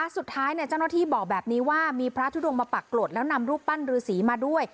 เจ้าหน้าที่บอกแบบนี้ว่ามีพระทุดงมาปรากฏแล้วนำรูปปั้นรือสีมาด้วย